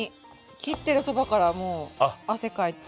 切ってるそばからもう汗かいて。